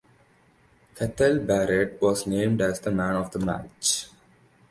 Cathal Barrett was named as the man of the match.